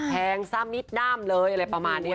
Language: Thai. แทงซ้ำมิดด้ามเลยอะไรประมาณนี้